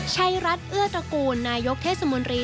ชัยรัฐเอื้อตระกูลนายกเทศมนตรี